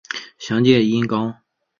详见音高。